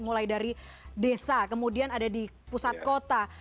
mulai dari desa kemudian ada di pusat kota